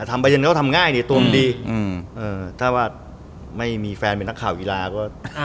ทำบายเยินก็ทำง่ายเนี่ยตัวมันดีถ้าว่าไม่มีแฟนเป็นนักข่าวกีฬาก็